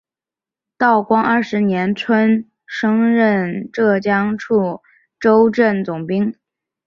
道光二十年春升任浙江处州镇总兵。